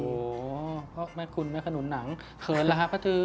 โอ้โหแม่คุณแม่ขนุนหนังเขินหรอภัทรือ